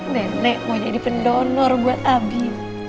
nenek mau jadi pendonor buat abi